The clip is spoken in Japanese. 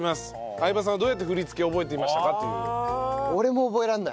相葉さんはどうやって振り付けを覚えていましたか？という。